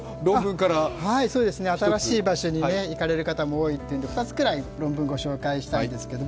新しい場所に行かれる方も多いというので、２つくらい論文ご紹介したいんですけど。